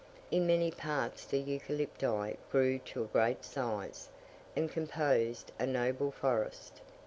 In many parts the Eucalypti grew to a great size, and composed a noble forest.